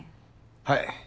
はい。